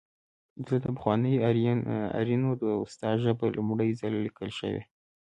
دلته د پخوانیو آرینو د اوستا ژبه لومړی ځل لیکل شوې